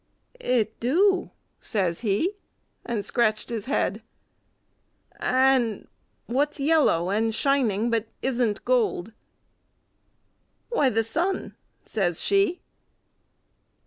"It do," says he, and scratched his head. "And what's yellow and shining but isn't gold?" "Why, the sun!" says she.